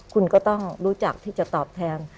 คุณก็ต้องรู้จักที่จะตอบแทน